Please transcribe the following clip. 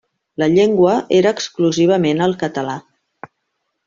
La llengua era exclusivament el català.